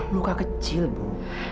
luka kecil bu